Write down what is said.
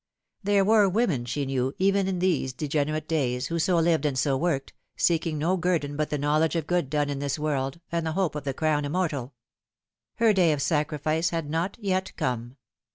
There were women, she knew, even in these degenerate days, who so lived and so worked, seeking no guerdon but the knowledge of good done in this world, and the hope of the crown immortal. Her day of sacrifice had not yet come.